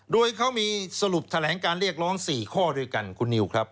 โดยเขามีสรุปแถลงการเรียกร้อง๔ข้อด้วยกันคุณนิวครับ